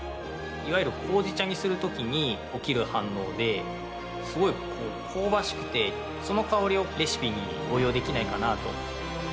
いわゆる、ほうじ茶にする時に起きる反応ですごい香ばしくて、その香りをレシピに応用できないかなと。